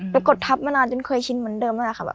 แต่กดทับมานานจนเคยชินเหมือนเดิมแล้ว